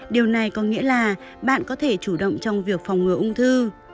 điều này có nghĩa là bạn có thể chủ động trong việc phòng ngừa ung thư